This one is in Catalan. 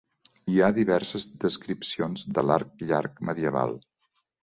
Hi ha diverses descripcions de l'arc llarg medieval.